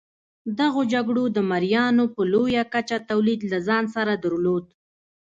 دغو جګړو د مریانو په لویه کچه تولید له ځان سره درلود.